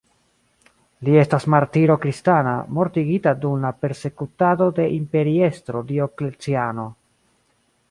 Li estas martiro kristana, mortigita dum la persekutado de imperiestro Diokleciano.